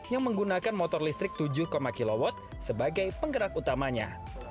yang menggunakan motor listrik tujuh kw sebagai penggerak utamanya